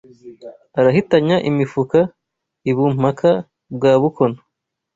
Arahitanya imifuka i Bumpaka bwa bukono